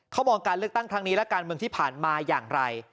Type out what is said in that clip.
เขามองการเลือกตั้งครั้งนี้และการเมืองที่ผ่านมาอย่างไร